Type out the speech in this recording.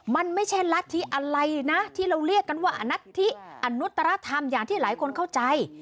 มันไม่ใช่รัฐธิอะไรนะที่เราเรียกกันว่านัทธิอนุตรธรรมอย่างที่หลายคนเข้าใจ